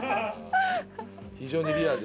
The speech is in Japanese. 非常にリアルです。